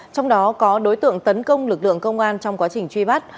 trong đó có đối tượng tấn công lực lượng công an trong quá trình truy bắt